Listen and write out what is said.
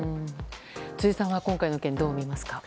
辻さんは今回の件どう見ますか？